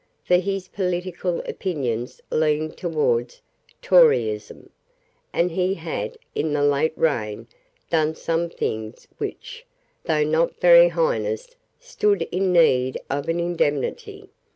For his political opinions leaned towards Toryism; and he had, in the late reign, done some things which, though not very heinous, stood in need of an indemnity.